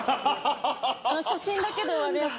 写真だけで終わるやつ。